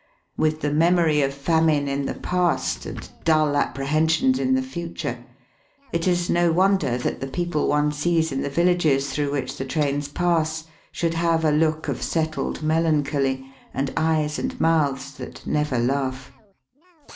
With the memory of famine in the past and dull appre hensions in the future, it is no wonder that the people one sees in the villages through which the trains pass should have a look of settled melancholy, and eyes and mouths that never laugh.